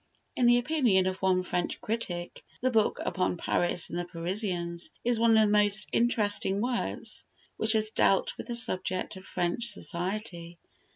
In the opinion of one French critic, the book upon "Paris and the Parisians" is one of the most interesting works which has dealt with the subject of French society.